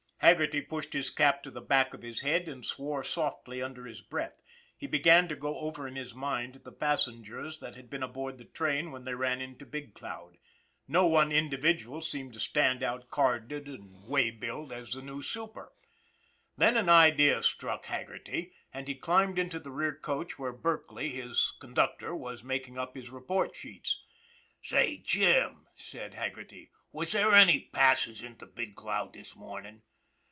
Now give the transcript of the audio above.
Haggerty pushed his cap to the back of his head, and swore softly under his breath. He began to go over in his mind the passengers that had been aboard the train when they ran into Big Cloud. No one individual seemed to stand out carded and waybilled as the new super. Then an idea struck Haggerty, and he climbed into the rear coach where Berkely, his conductor, was making up his report sheets. " Say, Jim," said Haggerty, " was there any passes into Big Cloud this mornin' ?